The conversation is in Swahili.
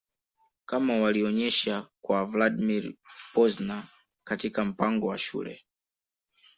kama walionyesha kwa Vladimir Pozner katika mpango wa Shule